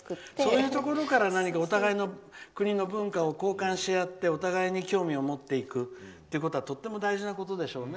そういうところからお互いの国の文化を交換し合ってお互いに興味を持っていくのはとても大事なことでしょうね。